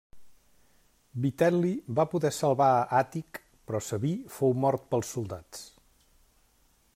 Vitel·li va poder salvar a Àtic però Sabí fou mort pels soldats.